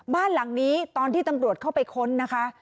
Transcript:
บ้านหลังนี้ตอนที่ตำรวจเข้าไปค้นนะคะ